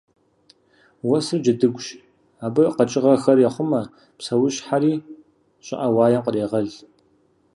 Уэсыр джэдыгущ: абы къэкӏыгъэхэр ехъумэ, псэущхьэри щӏыӏэ уаем кърегъэл.